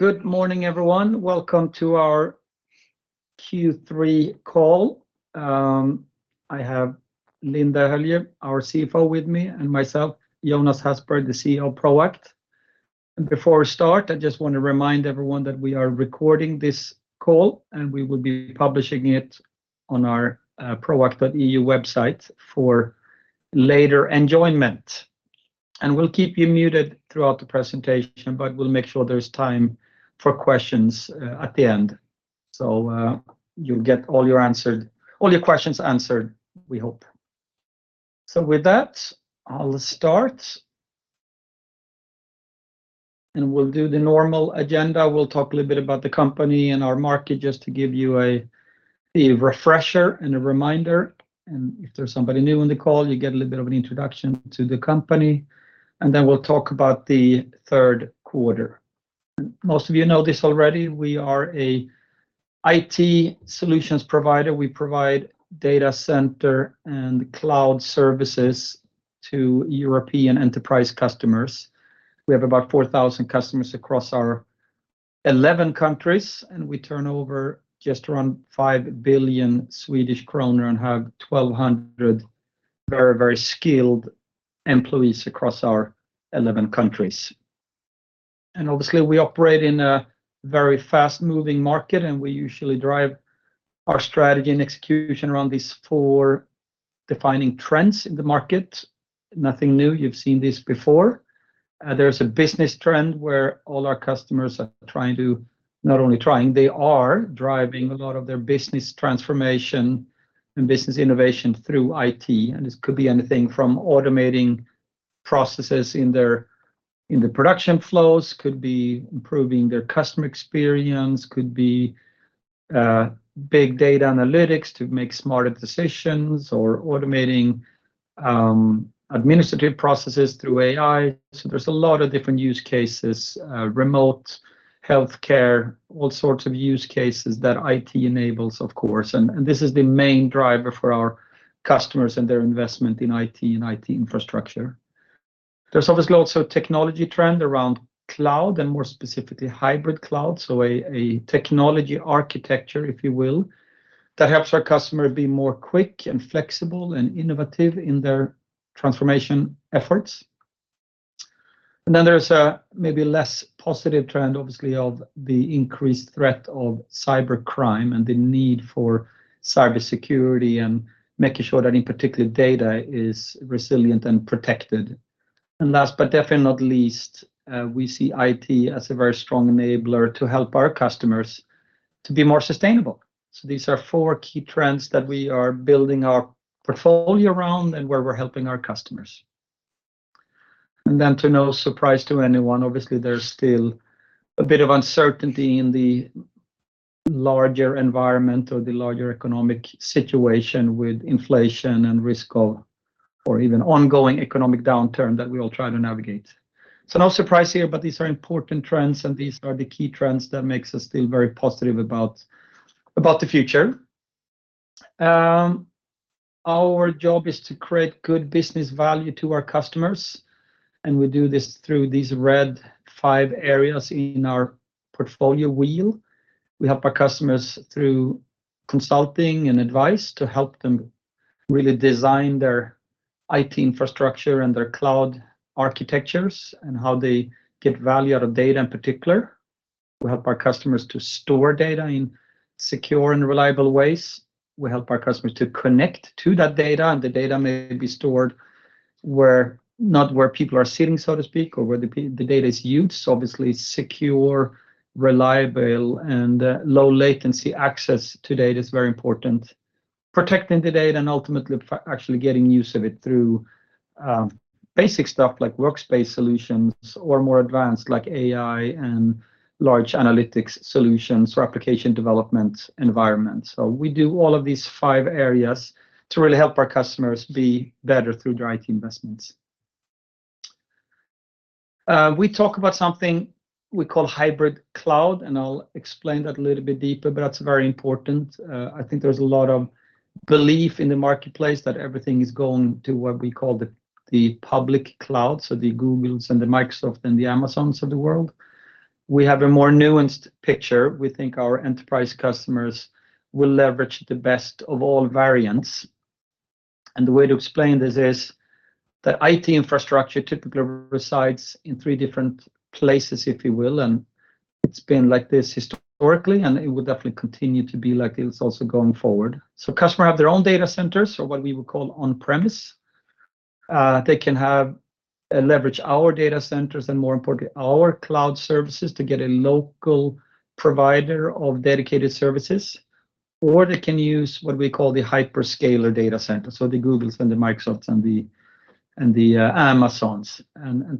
Good morning, everyone. Welcome to our Q3 call. I have Linda Höljö, our CFO with me, and myself, Jonas Hasselberg, the CEO of Proact. Before we start, I just wanna remind everyone that we are recording this call, and we will be publishing it on our proact.eu website for later enjoyment. We'll keep you muted throughout the presentation, but we'll make sure there's time for questions at the end. You'll get all your questions answered, we hope. With that, I'll start, and we'll do the normal agenda. We'll talk a little bit about the company and our market, just to give you a refresher and a reminder. If there's somebody new on the call, you get a little bit of an introduction to the company, and then we'll talk about the Q3. Most of you know this already, we are an IT solutions provider. We provide data center and cloud services to European enterprise customers. We have about 4,000 customers across our 11 countries, and we turn over just around 5 billion Swedish kronor and have 1,200 very, very skilled employees across our 11 countries. And obviously, we operate in a very fast-moving market, and we usually drive our strategy and execution around these four defining trends in the market. Nothing new, you've seen this before. There's a business trend where all our customers are trying to... Not only trying, they are driving a lot of their business transformation and business innovation through IT. And this could be anything from automating processes in their, in their production flows, could be improving their customer experience, could be big data analytics to make smarter decisions or automating administrative processes through AI. So there's a lot of different use cases, remote healthcare, all sorts of use cases that IT enables, of course. And this is the main driver for our customers and their investment in IT and IT infrastructure. There's obviously also a technology trend around cloud and more specifically, hybrid cloud. So a technology architecture, if you will, that helps our customer be more quick, and flexible, and innovative in their transformation efforts. And then there's a maybe less positive trend, obviously, of the increased threat of cybercrime and the need for cybersecurity and making sure that any particular data is resilient and protected. And last, but definitely not least, we see IT as a very strong enabler to help our customers to be more sustainable. So these are four key trends that we are building our portfolio around and where we're helping our customers. And then, to no surprise to anyone, obviously, there's still a bit of uncertainty in the larger environment or the larger economic situation with inflation and risk of or even ongoing economic downturn that we all try to navigate. So no surprise here, but these are important trends, and these are the key trends that makes us still very positive about, about the future. Our job is to create good business value to our customers, and we do this through these red five areas in our portfolio wheel. We help our customers through consulting and advice to help them really design their IT infrastructure and their cloud architectures and how they get value out of data in particular. We help our customers to store data in secure and reliable ways. We help our customers to connect to that data, and the data may be stored not where people are sitting, so to speak, or where the data is used. Obviously, secure, reliable, and low-latency access to data is very important. Protecting the data and ultimately, actually getting use of it through basic stuff like workspace solutions or more advanced, like AI and large analytics solutions or application development environments. So we do all of these five areas to really help our customers be better through their IT investments. We talk about something we call hybrid cloud, and I'll explain that a little bit deeper, but that's very important. I think there's a lot of belief in the marketplace that everything is going to what we call the public cloud, so the Googles and the Microsofts and the Amazons of the world. We have a more nuanced picture. We think our enterprise customers will leverage the best of all variants. And the way to explain this is that IT infrastructure typically resides in three different places, if you will, and it's been like this historically, and it will definitely continue to be like this also going forward. So customer have their own data centers or what we would call on-premise. They can have leverage our data centers and, more importantly, our cloud services to get a local provider of dedicated services, or they can use what we call the hyperscaler data center, so the Googles and the Microsofts and the Amazons.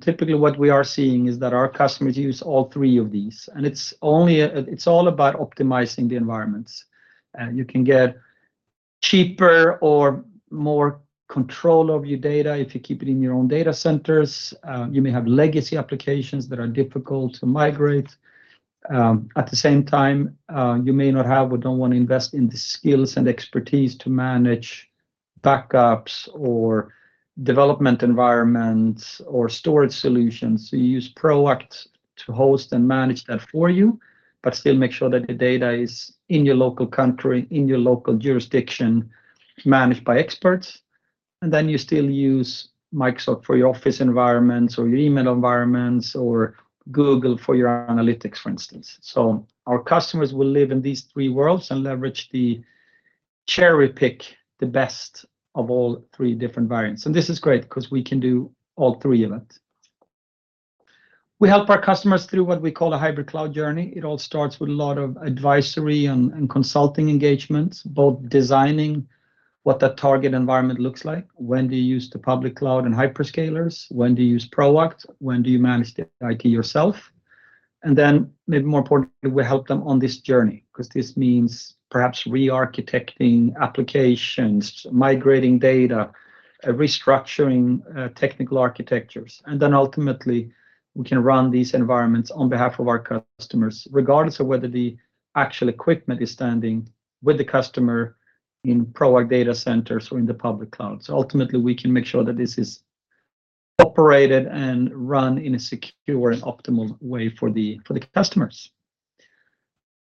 Typically, what we are seeing is that our customers use all three of these, and it's all about optimizing the environments. You can get cheaper or more control of your data if you keep it in your own data centers. You may have legacy applications that are difficult to migrate. At the same time, you may not have or don't wanna invest in the skills and expertise to manage backups or development environments or storage solutions. So you use Proact to host and manage that for you, but still make sure that the data is in your local country, in your local jurisdiction, managed by experts. And then you still use Microsoft for your office environments, or your email environments, or Google for your analytics, for instance. So our customers will live in these three worlds and leverage the cherry-pick, the best of all three different variants. And this is great 'cause we can do all three of it. We help our customers through what we call a hybrid cloud journey. It all starts with a lot of advisory and consulting engagements, both designing what that target environment looks like. When do you use the public cloud and hyperscalers? When do you use Proact? When do you manage the IT yourself? And then, maybe more importantly, we help them on this journey, 'cause this means perhaps re-architecting applications, migrating data, restructuring, technical architectures. And then ultimately, we can run these environments on behalf of our customers, regardless of whether the actual equipment is standing with the customer in Proact data centers or in the public cloud. So ultimately, we can make sure that this is operated and run in a secure and optimal way for the customers.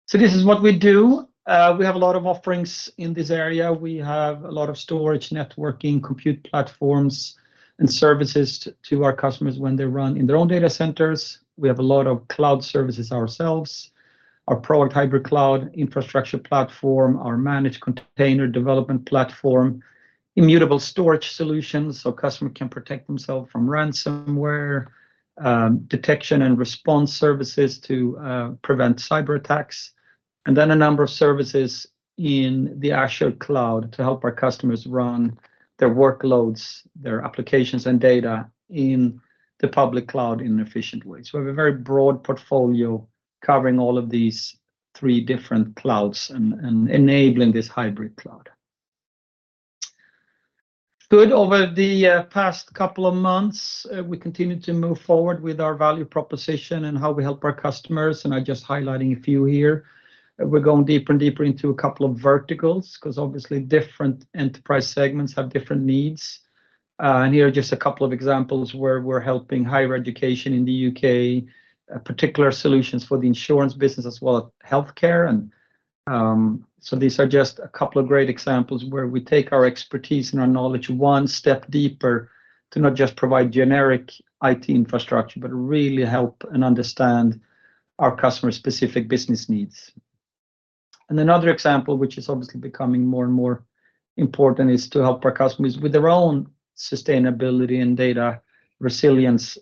So this is what we do. We have a lot of offerings in this area. We have a lot of storage, networking, compute platforms, and services to our customers when they run in their own data centers. We have a lot of cloud services ourselves. Our Proact Hybrid Cloud infrastructure platform, our managed container development platform, immutable storage solutions, so customer can protect themselves from ransomware, detection and response services to prevent cyber attacks, and then a number of services in the actual cloud to help our customers run their workloads, their applications and data in the public cloud in efficient ways. So we have a very broad portfolio covering all of these three different clouds and enabling this hybrid cloud. Good. Over the past couple of months, we continued to move forward with our value proposition and how we help our customers, and I'm just highlighting a few here. We're going deeper and deeper into a couple of verticals, because obviously, different enterprise segments have different needs. And here are just a couple of examples where we're helping higher education in the U.K., particular solutions for the insurance business, as well as healthcare. So these are just a couple of great examples where we take our expertise and our knowledge one step deeper to not just provide generic IT infrastructure, but really help and understand our customer-specific business needs. Another example, which is obviously becoming more and more important, is to help our customers with their own sustainability and data resilience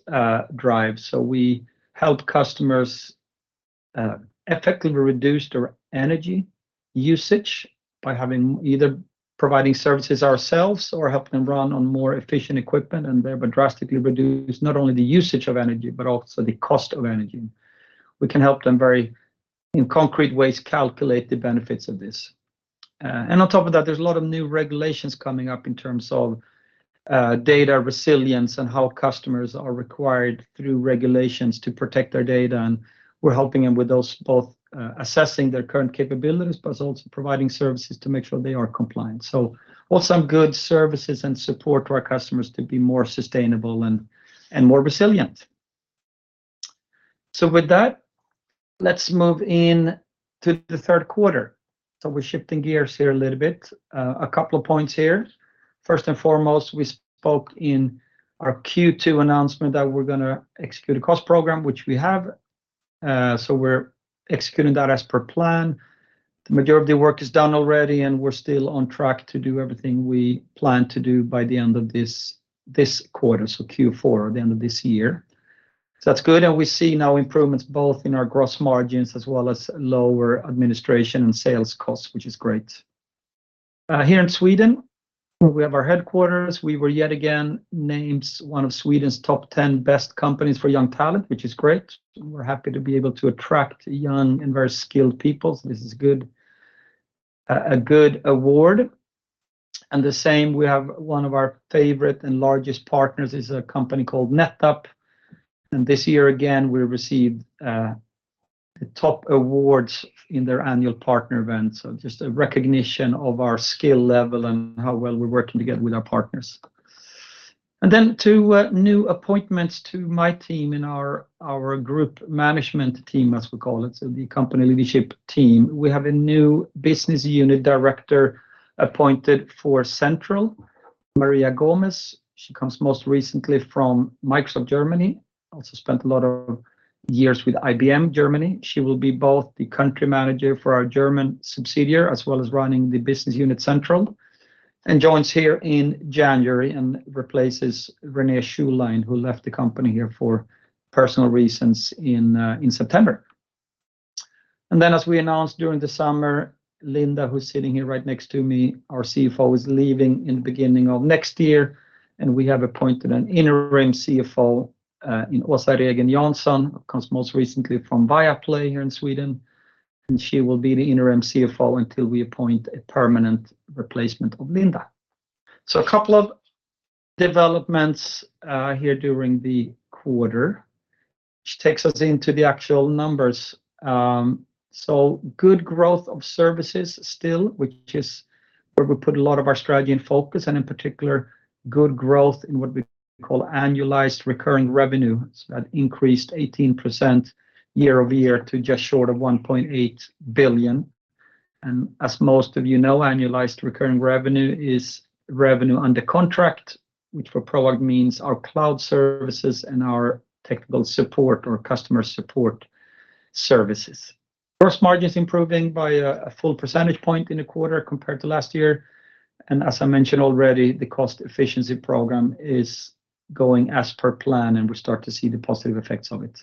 drive. So we help customers effectively reduce their energy usage by having either providing services ourselves or helping them run on more efficient equipment, and thereby drastically reduce not only the usage of energy, but also the cost of energy. We can help them very, in concrete ways, calculate the benefits of this. And on top of that, there's a lot of new regulations coming up in terms of data resilience and how customers are required through regulations to protect their data, and we're helping them with those, both assessing their current capabilities, but also providing services to make sure they are compliant. So all some good services and support to our customers to be more sustainable and, and more resilient. So with that, let's move in to the Q3. So we're shifting gears here a little bit. A couple of points here. First and foremost, we spoke in our Q2 announcement that we're gonna execute a cost program, which we have. So we're executing that as per plan. The majority of the work is done already, and we're still on track to do everything we plan to do by the end of this quarter, so Q4, the end of this year. So that's good, and we see now improvements both in our gross margins as well as lower administration and sales costs, which is great. Here in Sweden, where we have our headquarters, we were yet again named one of Sweden's top 10 best companies for young talent, which is great. We're happy to be able to attract young and very skilled people. This is good, a good award. And the same, we have one of our favorite and largest partners is a company called NetApp, and this year again, we received the top awards in their annual partner event. So just a recognition of our skill level and how well we're working together with our partners. And then two, new appointments to my team in our group management team, as we call it, so the company leadership team. We have a new business unit director appointed for Central, Maria Gomez. She comes most recently from Microsoft Germany. Also spent a lot of years with IBM Germany. She will be both the country manager for our German subsidiary, as well as running the business unit Central, and joins here in January and replaces René Schülein, who left the company here for personal reasons in September. And then, as we announced during the summer, Linda, who's sitting here right next to me, our CFO, is leaving in the beginning of next year, and we have appointed an interim CFO in Åsa Regen Jansson, who comes most recently from Viaplay here in Sweden, and she will be the interim CFO until we appoint a permanent replacement of Linda. So developments here during the quarter, which takes us into the actual numbers. So good growth of services still, which is where we put a lot of our strategy and focus, and in particular, good growth in what we call annualized recurring revenue. That increased 18% year-over-year to just short of 1.8 billion. As most of you know, annualized recurring revenue is revenue under contract, which for Proact means our cloud services and our technical support or customer support services. Gross margin is improving by a full percentage point in the quarter compared to last year. As I mentioned already, the cost efficiency program is going as per plan, and we start to see the positive effects of it.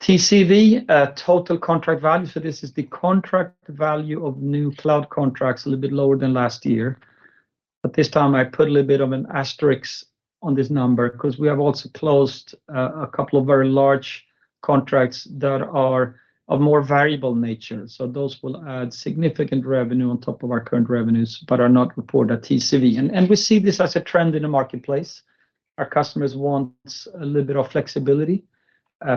TCV, total contract value, so this is the contract value of new cloud contracts, a little bit lower than last year. This time, I put a little bit of an asterisk on this number, 'cause we have also closed a couple of very large contracts that are of more variable nature. Those will add significant revenue on top of our current revenues, but are not reported at TCV. We see this as a trend in the marketplace. Our customers want a little bit of flexibility,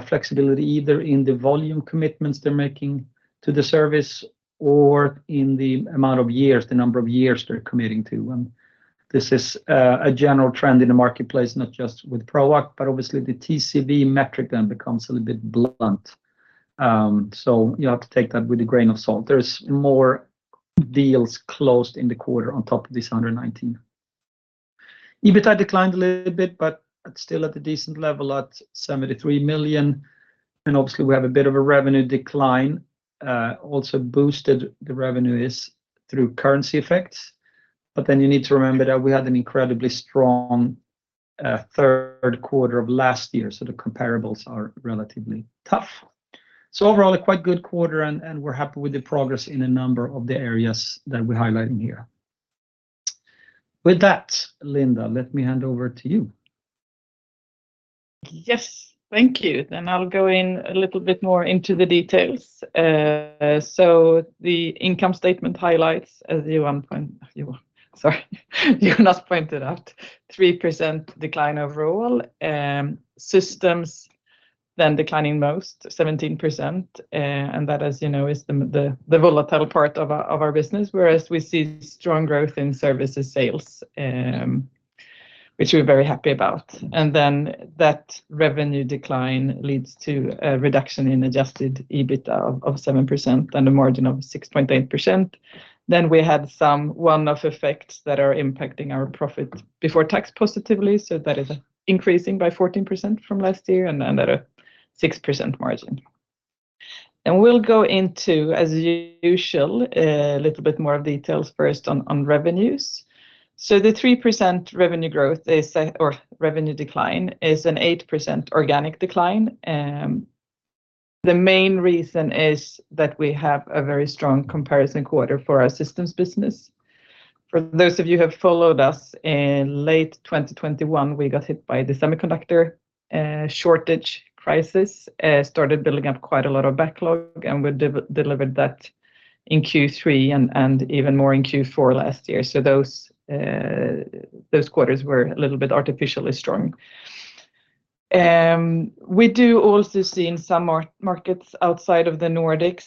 flexibility either in the volume commitments they're making to the service or in the amount of years, the number of years they're committing to. This is a general trend in the marketplace, not just with Proact, but obviously the TCV metric then becomes a little bit blunt. So you have to take that with a grain of salt. There's more deals closed in the quarter on top of this 119. EBITA declined a little bit, but it's still at a decent level at 73 million, and obviously, we have a bit of a revenue decline. Also boosted the revenue is through currency effects, but then you need to remember that we had an incredibly strong Q3 of last year, so the comparables are relatively tough. So overall, a quite good quarter, and, and we're happy with the progress in a number of the areas that we're highlighting here. With that, Linda, let me hand over to you. Yes. Thank you. I'll go in a little bit more into the details. The income statement highlights, as you, Jonas, pointed out, 3% decline overall. Systems then declining most, 17%, and that, as you know, is the volatile part of our business, whereas we see strong growth in services sales, which we're very happy about. That revenue decline leads to a reduction in adjusted EBITA of 7% and a margin of 6.8%. We had some one-off effects that are impacting our profit before tax positively, so that is increasing by 14% from last year and then at a 6% margin. We'll go into, as usual, a little bit more of details first on revenues. So the 3% revenue growth is, or revenue decline, is an 8% organic decline. The main reason is that we have a very strong comparison quarter for our systems business. For those of you who have followed us, in late 2021, we got hit by the semiconductor shortage crisis, started building up quite a lot of backlog, and we delivered that in Q3 and even more in Q4 last year. So those quarters were a little bit artificially strong. We do also see in some markets outside of the Nordics,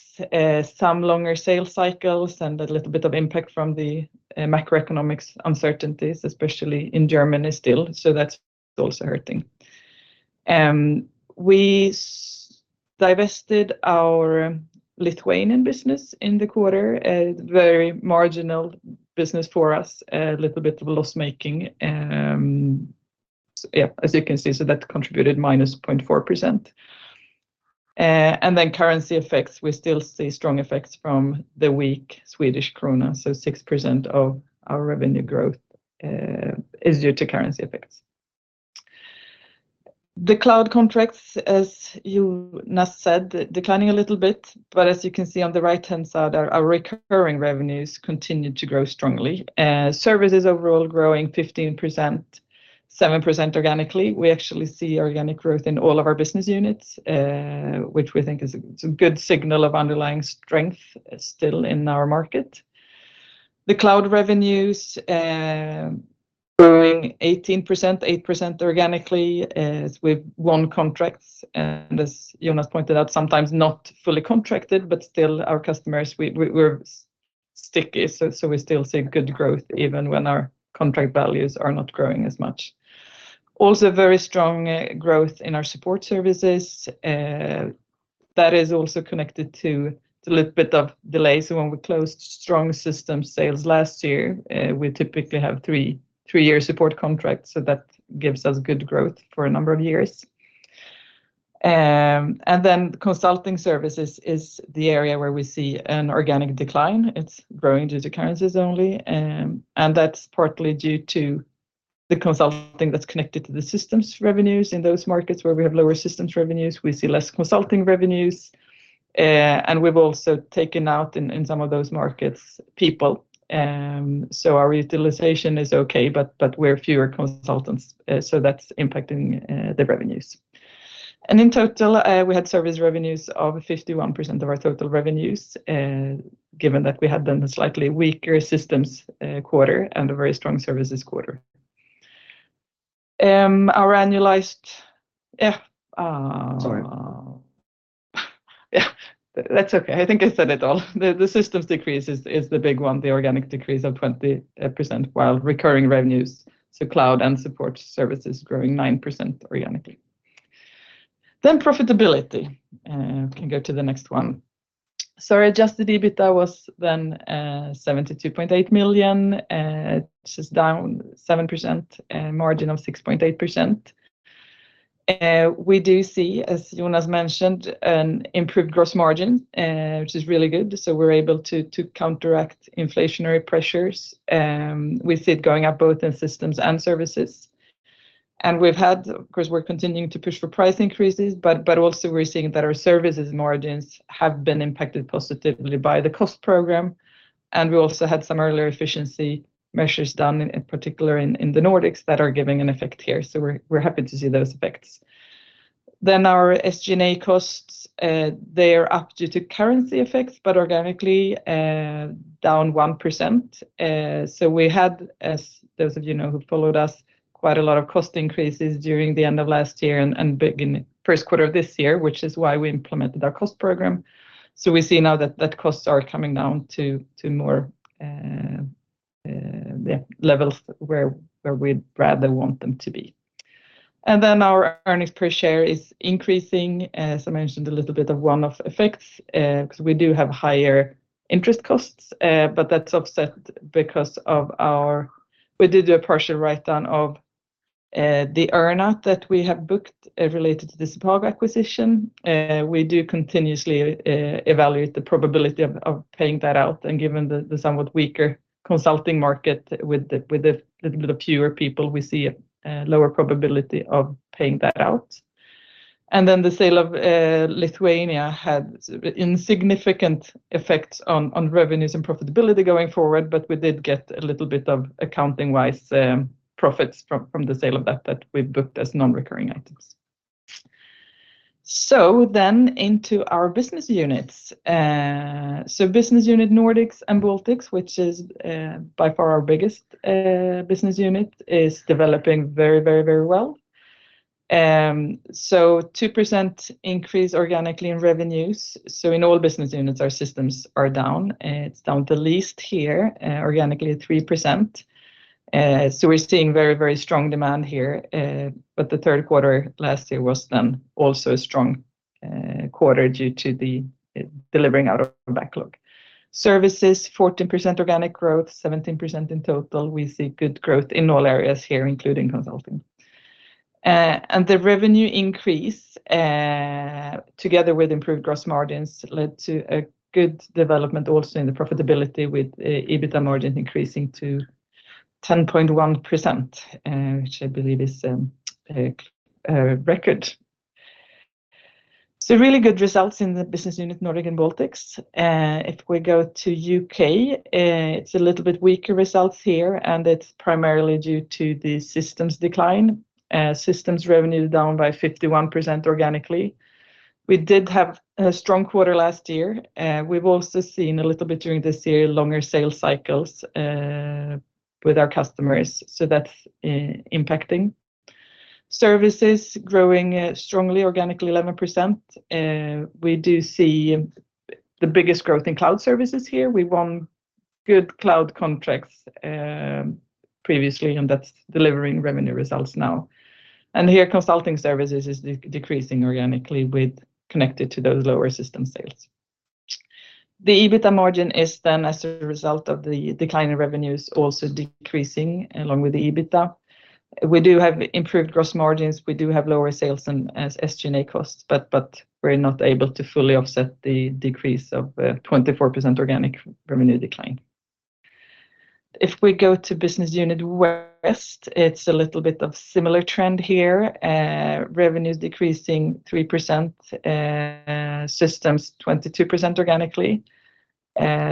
some longer sales cycles and a little bit of impact from the macroeconomic uncertainties, especially in Germany still, so that's also hurting. We divested our Lithuanian business in the quarter, a very marginal business for us, a little bit of loss-making. Yeah, as you can see, so that contributed -0.4%. And then currency effects, we still see strong effects from the weak Swedish krona, so 6% of our revenue growth is due to currency effects. The cloud contracts, as Jonas said, declining a little bit, but as you can see on the right-hand side, our, our recurring revenues continued to grow strongly. Services overall growing 15%, 7% organically. We actually see organic growth in all of our business units, which we think is a, it's a good signal of underlying strength still in our market. The cloud revenues, growing 18%, 8% organically, as we've won contracts, and as Jonas pointed out, sometimes not fully contracted, but still our customers, we're sticky, so we still see good growth even when our contract values are not growing as much. Also, very strong growth in our support services. That is also connected to the little bit of delay. So when we closed strong system sales last year, we typically have three-year support contracts, so that gives us good growth for a number of years. And then consulting services is the area where we see an organic decline. It's growing due to currencies only, and that's partly due to the consulting that's connected to the systems revenues. In those markets where we have lower systems revenues, we see less consulting revenues, and we've also taken out in, in some of those markets, people. So our utilization is okay, but, but we're fewer consultants, so that's impacting the revenues. And in total, we had service revenues of 51% of our total revenues, and given that we had done a slightly weaker systems quarter and a very strong services quarter. Our annualized, yeah, Sorry. Yeah, that's okay. I think I said it all. The systems decrease is the big one, the organic decrease of 20%, while recurring revenues to cloud and support services growing 9% organically. Then profitability. Can go to the next one. So adjusted EBITA We've had—of course, we're continuing to push for price increases, but also we're seeing that our services margins have been impacted positively by the cost program, and we also had some earlier efficiency measures done, in particular in the Nordics, that are giving an effect here. So we're happy to see those effects. Then our SG&A costs, they are up due to currency effects, but organically down 1%. So we had, as those of you know who followed us, quite a lot of cost increases during the end of last year and big in Q1 of this year, which is why we implemented our cost program. So we see now that costs are coming down to more levels where we'd rather want them to be. And then our earnings per share is increasing, as I mentioned, a little bit of one-off effects, 'cause we do have higher interest costs. But that's offset because of our... We did a partial write-down of the earnout that we have booked, related to the sepago acquisition. We do continuously evaluate the probability of paying that out. And given the somewhat weaker consulting market with the little bit of fewer people, we see a lower probability of paying that out. And then the sale of Lithuania had insignificant effects on revenues and profitability going forward, but we did get a little bit of accounting-wise, profits from the sale of that we've booked as non-recurring items. So then into our business units. So business unit Nordics and Baltics, which is by far our biggest business unit, is developing very, very, very well. So 2% increase organically in revenues. So in all business units, our systems are down, and it's down the least here organically, 3%. So we're seeing very, very strong demand here. But the Q3 last year was then also a strong quarter due to the delivering out of backlog. Services, 14% organic growth, 17% in total. We see good growth in all areas here, including consulting. And the revenue increase together with improved gross margins led to a good development also in the profitability, with EBITA margin increasing to 10.1%, which I believe is a record. So really good results in the business unit, Nordics and Baltics. If we go to U.K. it's a little bit weaker results here, and it's primarily due to the systems decline. Systems revenue down by 51% organically. We did have a strong quarter last year, we've also seen a little bit during this year, longer sales cycles with our customers, so that's impacting. Services growing strongly, organically 11%. We do see the biggest growth in cloud services here. We won good cloud contracts, previously, and that's delivering revenue results now. And here, consulting services is decreasing organically with connection to those lower system sales. The EBITA margin is then, as a result of the decline in revenues, also decreasing along with the EBITDA. We do have improved gross margins. We do have lower sales and SG&A costs, but we're not able to fully offset the decrease of 24% organic revenue decline. If we go to business unit West, it's a little bit of similar trend here. Revenues decreasing 3%, systems 22% organically.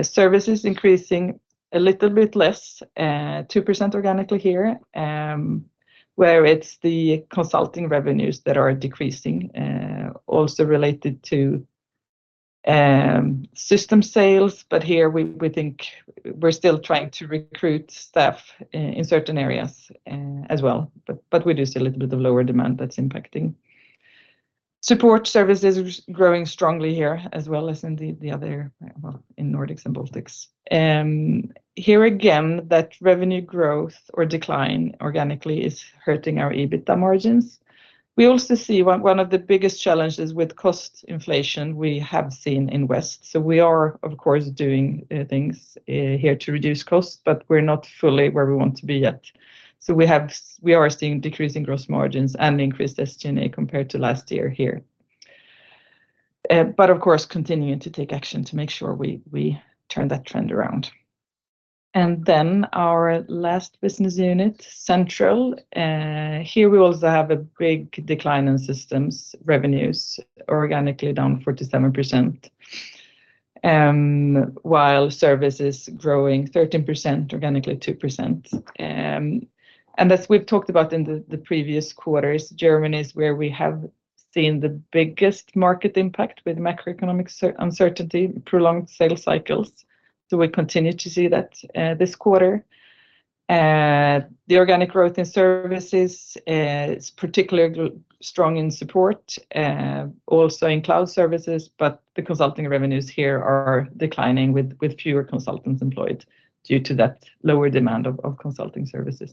Services increasing a little bit less, 2% organically here, where it's the consulting revenues that are decreasing, also related to system sales, but here we think we're still trying to recruit staff in certain areas, as well. But we do see a little bit of lower demand that's impacting. Support services growing strongly here, as well as in Nordics and Baltics. Here again, that revenue growth or decline organically is hurting our EBITA margin. We also see one of the biggest challenges with cost inflation we have seen in West. So we are of course doing things here to reduce costs, but we're not fully where we want to be yet. So we have we are seeing decreasing gross margins and increased SG&A compared to last year here. But of course, continuing to take action to make sure we turn that trend around. And then our last business unit, Central. Here we also have a big decline in systems revenues, organically down 47%. While service is growing 13%, organically 2%. And as we've talked about in the previous quarters, Germany is where we have seen the biggest market impact with macroeconomic uncertainty, prolonged sales cycles. So we continue to see that this quarter. The organic growth in services is particularly strong in support, also in cloud services, but the consulting revenues here are declining with fewer consultants employed due to that lower demand of consulting services.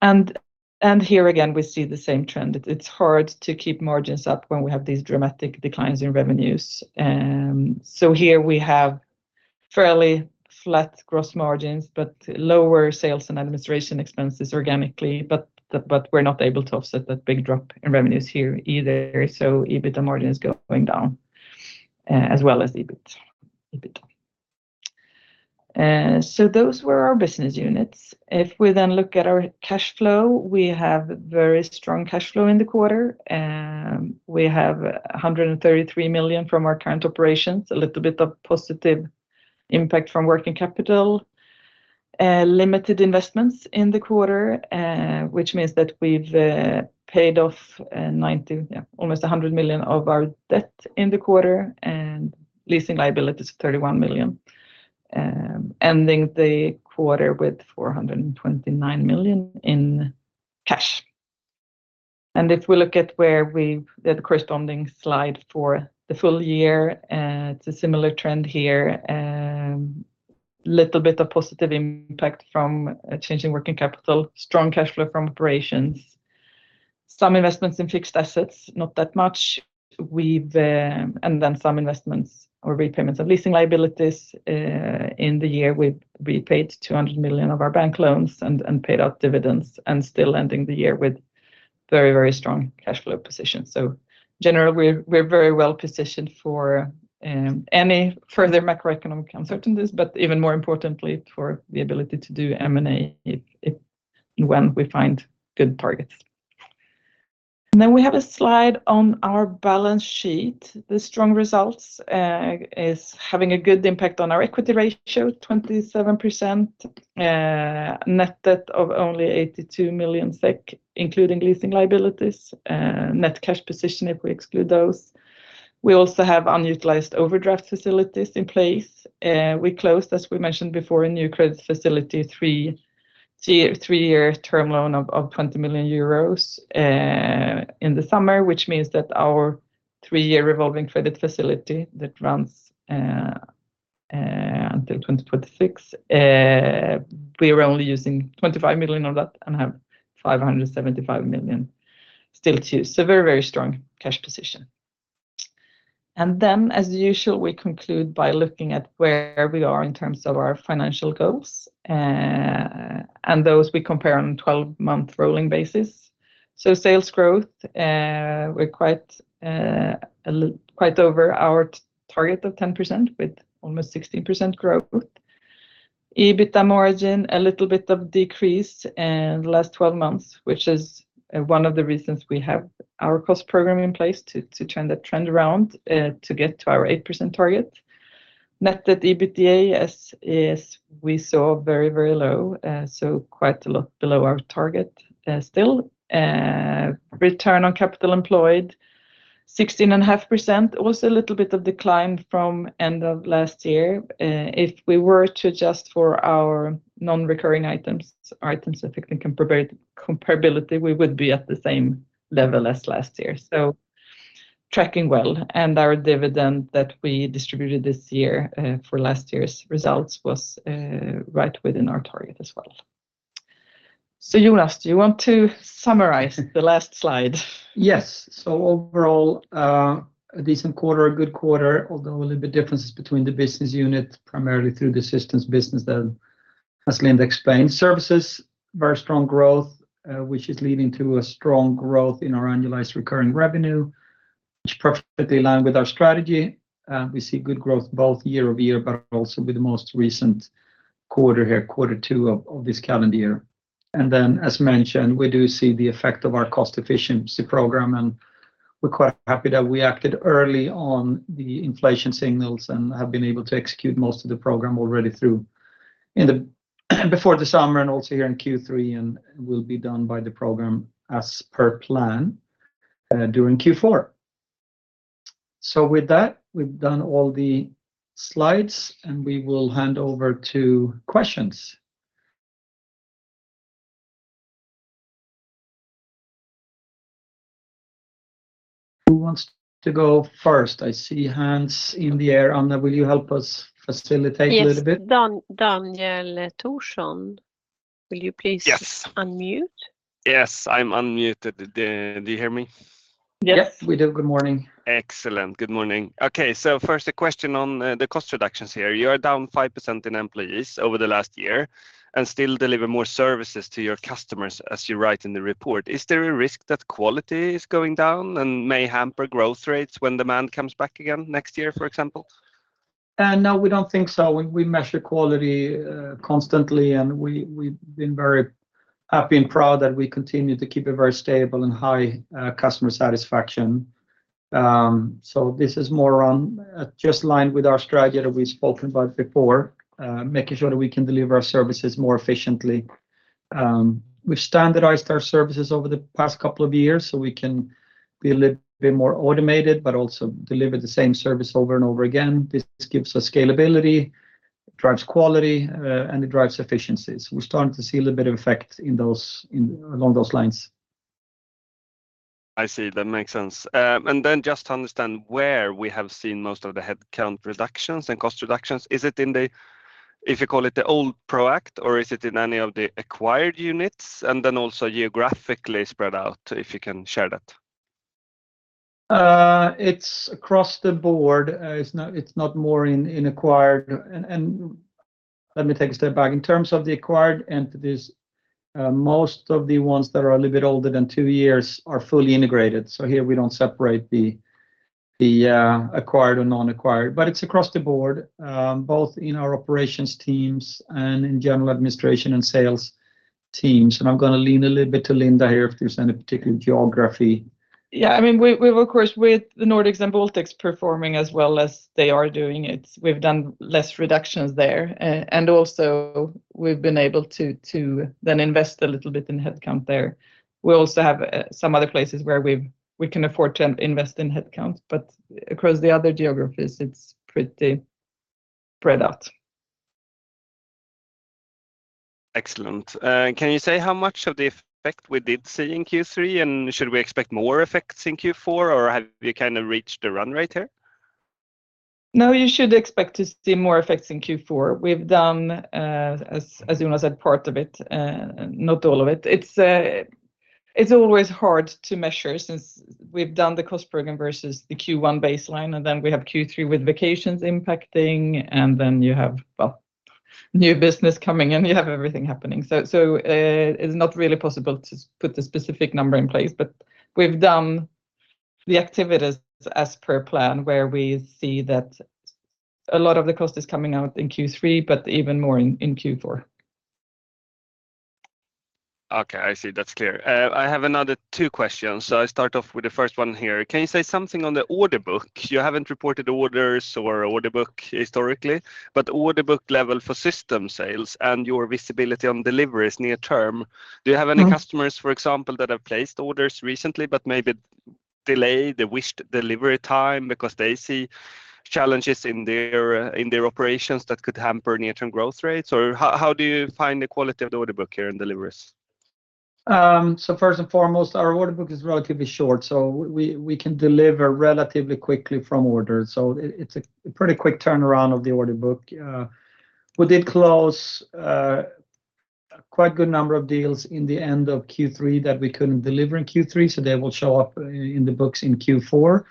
And here again, we see the same trend. It's hard to keep margins up when we have these dramatic declines in revenues. So here we have fairly flat gross margins, but lower sales and administration expenses organically, but we're not able to offset that big drop in revenues here either. So EBITA margin is going down, as well as EBIT, EBITDA. And so those were our business units. If we then look at our cash flow, we have very strong cash flow in the quarter, and we have 133 million from our current operations, a little bit of positive impact from working capital. Limited investments in the quarter, which means that we've paid off 90, yeah, almost 100 million of our debt in the quarter, and leasing liabilities, 31 million. Ending the quarter with 429 million in cash. And if we look at where we... the corresponding slide for the full year, it's a similar trend here. Little bit of positive impact from a change in working capital, strong cash flow from operations, some investments in fixed assets, not that much. We've... and then some investments or repayments of leasing liabilities, in the year, we paid 200 million of our bank loans and paid out dividends, and still ending the year with very, very strong cash flow position. Generally, we're very well positioned for any further macroeconomic uncertainties, but even more importantly, for the ability to do M&A if, if, when we find good targets. We have a slide on our balance sheet. The strong results is having a good impact on our equity ratio, 27%. Net debt of only 82 million SEK, including leasing liabilities, net cash position if we exclude those. We also have unutilized overdraft facilities in place. We closed, as we mentioned before, a new credit facility, three-year term loan of 20 million euros in the summer, which means that our three-year revolving credit facility that runs until 2026, we are only using 25 million of that and have 575 million still to use. Very, very strong cash position. And then, as usual, we conclude by looking at where we are in terms of our financial goals, and those we compare on a 12-month rolling basis. Sales growth, we're quite a little quite over our target of 10%, with almost 16% growth. EBITA margin, a little bit of decrease in the last 12 months, which is one of the reasons we have our cost program in place to turn that trend around, to get to our 8% target. Net debt EBITDA, as is, we saw very, very low, so quite a lot below our target, still. Return on capital employed, 16.5%, also a little bit of decline from end of last year. If we were to adjust for our non-recurring items, I think, in comparability, we would be at the same level as last year. So tracking well, and our dividend that we distributed this year for last year's results was right within our target as well. So Jonas, do you want to summarize the last slide? Yes. So overall, a decent quarter, a good quarter, although a little bit differences between the business unit, primarily through the systems business that, as Linda explained. Services, very strong growth, which is leading to a strong growth in our annualized recurring revenue, which perfectly align with our strategy. We see good growth both year-over-year, but also with the most recent quarter here, quarter two of this calendar year. And then, as mentioned, we do see the effect of our cost efficiency program, and we're quite happy that we acted early on the inflation signals and have been able to execute most of the program already through, before the summer and also here in Q3, and will be done by the program as per plan, during Q4. With that, we've done all the slides, and we will hand over to questions. Who wants to go first? I see hands in the air. Anna, will you help us facilitate a little bit? Yes, Daniel Thorsson, will you please- Yes. Unmute? Yes, I'm unmuted. Do you hear me? Yes, we do. Good morning. Excellent. Good morning. Okay, so first, a question on the cost reductions here. You are down 5% in employees over the last year and still deliver more services to your customers, as you write in the report. Is there a risk that quality is going down and may hamper growth rates when demand comes back again next year, for example? No, we don't think so. We measure quality constantly, and we've been very happy and proud that we continue to keep it very stable and high customer satisfaction. So this is more on just in line with our strategy that we've spoken about before, making sure that we can deliver our services more efficiently. We've standardized our services over the past couple of years, so we can be a little bit more automated, but also deliver the same service over and over again. This gives us scalability, drives quality, and it drives efficiencies. We're starting to see a little bit of effect in those along those lines. I see. That makes sense. And then just to understand where we have seen most of the headcount reductions and cost reductions, is it in the, if you call it, the old Proact, or is it in any of the acquired units? And then also geographically spread out, if you can share that. It's across the board. It's not more in acquired... And let me take a step back. In terms of the acquired entities, most of the ones that are a little bit older than two years are fully integrated. So here we don't separate the acquired or non-acquired. But it's across the board, both in our operations teams and in general administration and sales teams. And I'm gonna lean a little bit to Linda here if there's any particular geography. Yeah, I mean, we've of course with the Nordics and Baltics performing as well as they are doing, it's we've done less reductions there. And also, we've been able to then invest a little bit in headcount there. We also have some other places where we can afford to invest in headcount, but across the other geographies, it's pretty spread out. Excellent. Can you say how much of the effect we did see in Q3, and should we expect more effects in Q4, or have you kind of reached the run rate here? No, you should expect to see more effects in Q4. We've done, as, as Jonas said, part of it, not all of it. It's, it's always hard to measure, since we've done the cost program versus the Q1 baseline, and then we have Q3 with vacations impacting, and then you have, well, new business coming in. You have everything happening. So, so, it's not really possible to put the specific number in place, but we've done the activities as per plan, where we see that a lot of the cost is coming out in Q3, but even more in, in Q4. Okay, I see. That's clear. I have another two questions, so I start off with the first one here. Can you say something on the order book? You haven't reported orders or order book historically, but order book level for system sales and your visibility on deliveries near term? Mm. Do you have any customers, for example, that have placed orders recently but maybe delayed the wished delivery time because they see challenges in their, in their operations that could hamper near-term growth rates? Or how, how do you find the quality of the order book here in deliveries? So first and foremost, our order book is relatively short, so we can deliver relatively quickly from order. So it's a pretty quick turnaround of the order book. We did close quite a good number of deals in the end of Q3 that we couldn't deliver in Q3, so they will show up in the books in Q4.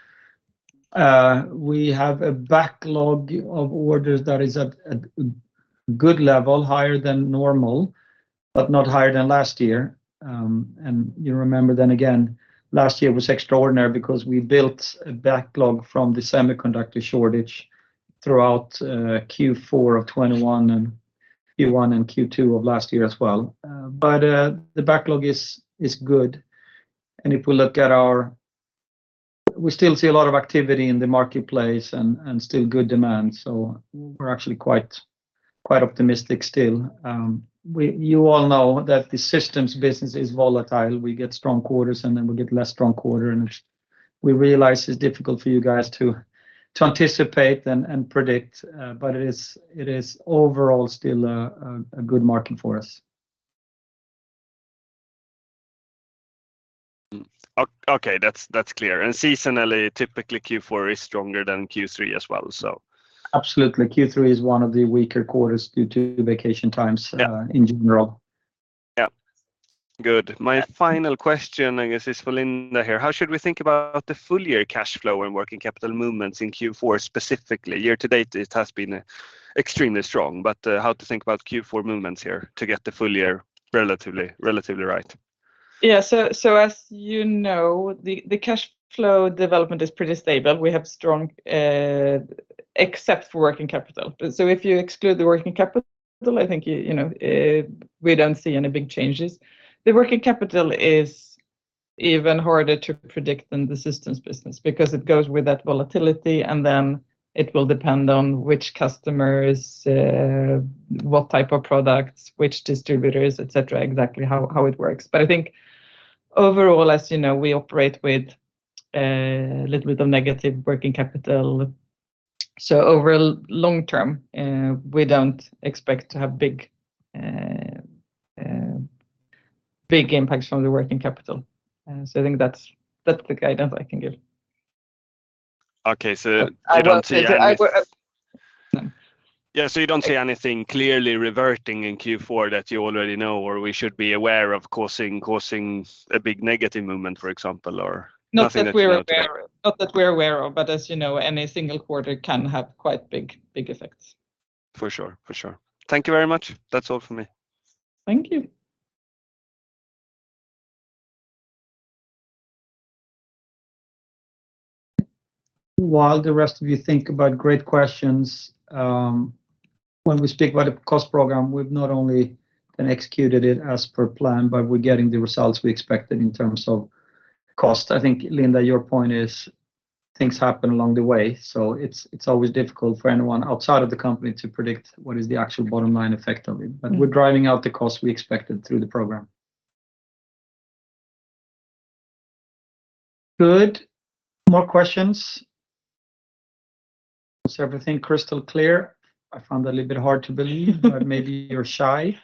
We have a backlog of orders that is at a good level, higher than normal, but not higher than last year. And you remember, then again, last year was extraordinary because we built a backlog from the semiconductor shortage throughout Q4 of 2021, and Q1 and Q2 of last year as well. But the backlog is good, and if we look at our... We still see a lot of activity in the marketplace and still good demand, so we're actually quite optimistic still. You all know that the systems business is volatile. We get strong quarters, and then we get less strong quarter, and we realize it's difficult for you guys to anticipate and predict, but it is overall still a good market for us. Okay, that's clear. Seasonally, typically, Q4 is stronger than Q3 as well, so. Absolutely. Q3 is one of the weaker quarters due to vacation times- Yeah... in general. Yeah. Good. Yeah. My final question, I guess, is for Linda here. How should we think about the full-year cash flow and working capital movements in Q4 specifically? Year to date, it has been extremely strong, but, how to think about Q4 movements here to get the full year relatively, relatively right? Yeah, so as you know, the cash flow development is pretty stable. We have strong, except for working capital. So if you exclude the working capital, I think you, you know, we don't see any big changes. The working capital is even harder to predict than the systems business, because it goes with that volatility, and then it will depend on which customers, what type of products, which distributors, et cetera, exactly how it works. But I think overall, as you know, we operate with a little bit of negative working capital. So over long term, we don't expect to have big impacts from the working capital. So I think that's the guidance I can give. Okay, so you don't see any- I would. Yeah, so you don't see anything clearly reverting in Q4 that you already know, or we should be aware of causing a big negative movement, for example, or nothing that you know today? Not that we're aware, not that we're aware of, but as you know, any single quarter can have quite big, big effects. For sure, for sure. Thank you very much. That's all for me. Thank you. While the rest of you think about great questions, when we speak about the cost program, we've not only then executed it as per plan, but we're getting the results we expected in terms of cost. I think, Linda, your point is, things happen along the way, so it's, it's always difficult for anyone outside of the company to predict what is the actual bottom line effect of it. Mm. But we're driving out the cost we expected through the program. Good. More questions? Is everything crystal clear? I find that a little bit hard to believe -... but maybe you're shy.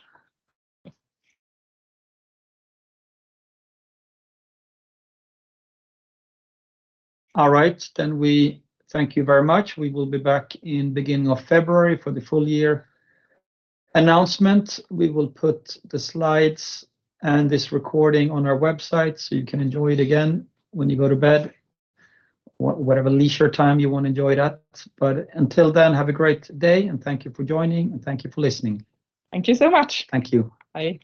All right, then we thank you very much. We will be back in beginning of February for the full year announcement. We will put the slides and this recording on our website, so you can enjoy it again when you go to bed, what - whatever leisure time you want to enjoy that. But until then, have a great day, and thank you for joining, and thank you for listening. Thank you so much. Thank you. Bye.